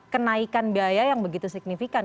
kenaikan biaya yang begitu signifikan